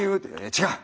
「違う！